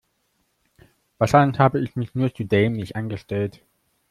Wahrscheinlich habe ich mich nur zu dämlich angestellt.